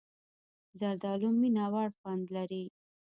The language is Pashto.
زردالو مینهوړ خوند لري.